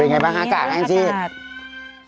เป็นไงบ้างมีอากาศ